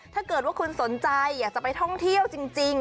ถ้าเกิดว่าคุณสนใจอยากจะไปท่องเที่ยวจริง